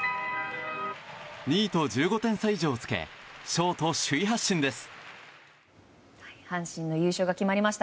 ２位と１５点差以上をつけショート首位発進です！